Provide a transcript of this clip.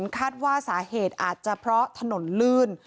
คาดว่าสาเหตุอาจจะเพราะถนนลื่น